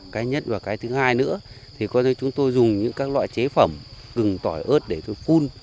cái nhất và cái thứ hai nữa thì có thể chúng tôi dùng những các loại chế phẩm gừng tỏi ớt để tôi phun